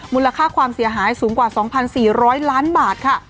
มูลค่าความเสียหายสูงกว่า๒๔๐๐ล้านบาทค่ะ